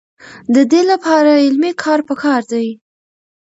د دې لپاره علمي کار پکار دی.